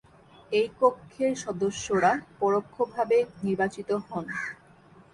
এই কক্ষের সদস্যরা পরোক্ষভাবে নির্বাচিত হন।